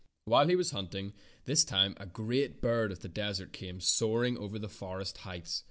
While he was hunting this time a great bird of the desert came soaring over the forest heights.